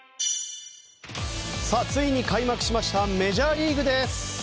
ついに開幕しましたメジャーリーグです！